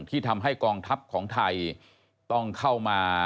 ที่ทำให้กองทัพของไทยต้องเข้ามา